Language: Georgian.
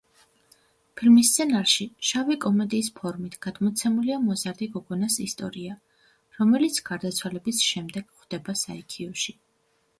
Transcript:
ფილმის სცენარში შავი კომედიის ფორმით გადმოცემულია მოზარდი გოგონას ისტორია, რომელიც გარდაცვალების შემდეგ ხვდება საიქიოში.